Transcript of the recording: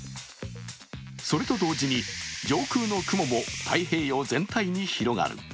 それと同時に上空の雲も太平洋全体に広がる。